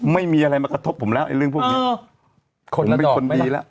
ไม่มีอะไรมากระทบผมแล้วไอ้เรื่องพวกนี้ผมเป็นคนดีแล้ว